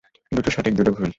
দুটো সঠিক, দুটো ভুল।